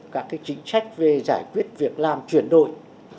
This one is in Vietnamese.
các chính sách về giải quyết việc làm chuyển đổi